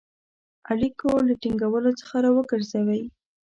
اړیکو له ټینګولو څخه را وګرځوی.